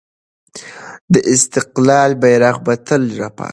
د استقلال بیرغ به تل رپاند وي.